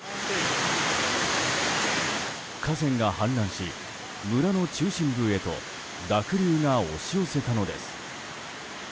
河川が氾濫し、村の中心部へと濁流が押し寄せたのです。